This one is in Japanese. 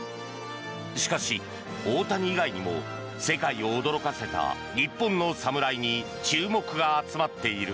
しかし、大谷以外にも世界を驚かせた日本の侍に注目が集まっている。